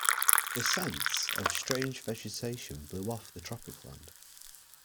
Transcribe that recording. The scents of strange vegetation blew off the tropic land.